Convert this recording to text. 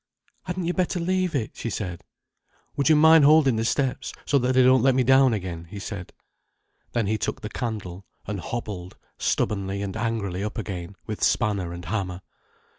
"Hadn't you better leave it," she said. "Would you mind holding the steps, so that they don't let me down again," he said. Then he took the candle, and hobbled stubbornly and angrily up again, with spanner and hammer.